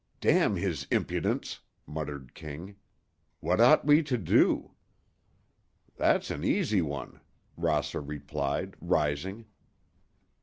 "Damn his impudence!" muttered King—"what ought we to do?" "That's an easy one," Rosser replied, rising.